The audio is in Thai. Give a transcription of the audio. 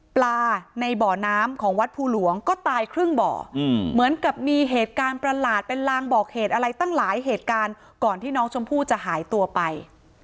ปลาในบ่อน้ำของวัดภูหลวงก็ตายครึ่งบ่อเหมือนกับมีเหตุการณ์ประหลาดเป็นลางบอกเหตุอะไรตั้งหลายเหตุการณ์ก่อนที่น้องชมพู่จะหายตัวไป